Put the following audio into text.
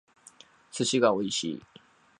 寿司が美味しい